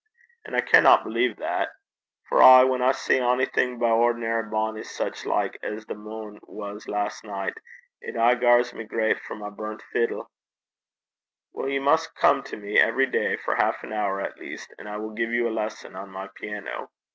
An' I canna believe that. For aye whan I see onything by ordinar bonnie, sic like as the mune was last nicht, it aye gars me greit for my brunt fiddle.' 'Well, you must come to me every day for half an hour at least, and I will give you a lesson on my piano.